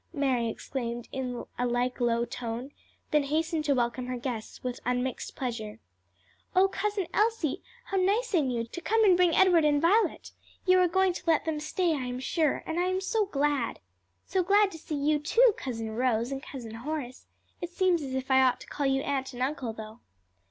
Mary exclaimed in a like low tone, then hastened to welcome her guests with unmixed pleasure. "O Cousin Elsie, how nice in you to come and to bring Edward and Violet! You are going to let them stay, I am sure, and I am so glad. So glad to see you, too, Cousin Rose and Cousin Horace: it seems as if I ought to call you aunt and uncle, though."